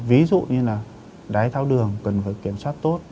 ví dụ như là đáy thao đường cần phải kiểm soát tốt